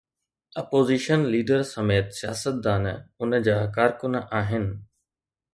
Opposition leader سميت سياستدان ان جا ڪارڪن آهن.